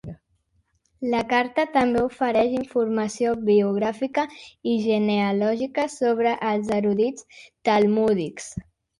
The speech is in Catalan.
La carta també ofereix informació biogràfica i genealògica sobre els erudits talmúdics.